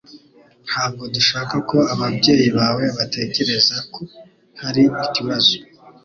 Ntabwo dushaka ko ababyeyi bawe batekereza ko hari ikibazo.